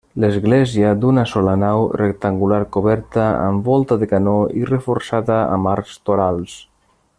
Església d'una sola nau rectangular coberta amb volta de canó i reforçada amb arcs torals.